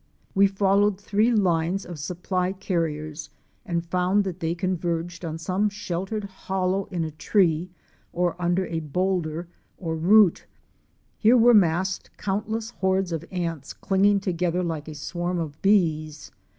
We followed three lines of supply carriers and found that they converged on some sheltered hollow in a tree or under a boulder or root. Here were massed countless hordes of ants clinging together like a swarm of bees.